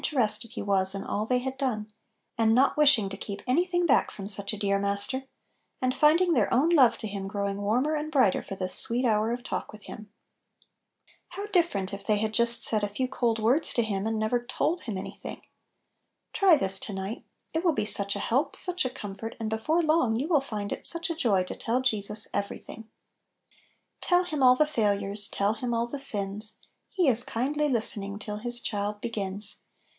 terested He was in all they had done, and not wishing to keep any thing back from such a dear Master, and finding their own love to Him growing warmer and brighter for this sweet hour of talk with Him ! How different if they had just said a few cold words to Him, and never told Him any thing! Try this to night 1 It will be such a help, such a comfort, and before long you will find it such a joy to tell Jesus every thing I "Tell Him all the failures, Tell Him all the sins; He is kindly listening Till His child begins.